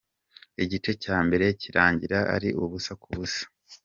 Igice cya mbere kirangira ari ubusa ku busa.